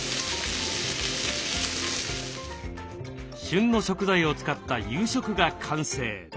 旬の食材を使った夕食が完成。